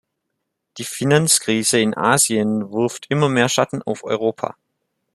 Die Finanzkrise in Asien wirft immer mehr Schatten auf Europa.